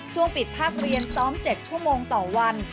ช่วงปิดภาคเรียนซ้อม๗ชั่วโมงต่อวัน